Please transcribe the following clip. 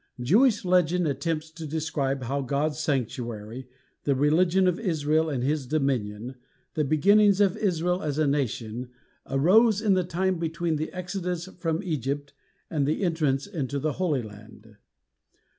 Jewish legend attempts to describe how God's sanctuary, the religion of Israel and His dominion, the beginnings of Israel as a nation, arose in the time between the Exodus from Egypt and the entrance into the Holy Land.